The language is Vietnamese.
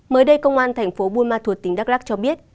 mới đây công an tp buôn ma thuộc tỉnh đắk lắc cho biết